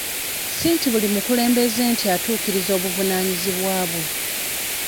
Si buli mukulembeze nti atuukiriza obuvunaanyizibwa bwe.